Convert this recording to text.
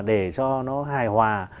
để cho nó hài hòa